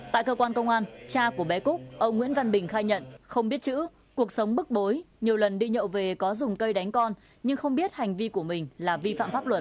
tại cơ quan công an cha của bé cúc ông nguyễn văn bình khai nhận không biết chữ cuộc sống bức bối nhiều lần đi nhậu về có dùng cây đánh con nhưng không biết hành vi của mình là vi phạm pháp luật